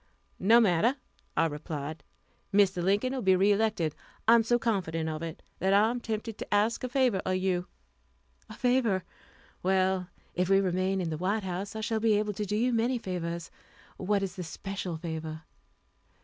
"No matter," I replied, "Mr. Lincoln will be re elected. I am so confident of it, that I am tempted to ask a favor of you." "A favor! Well, if we remain in the White House I shall be able to do you many favors. What is the special favor?"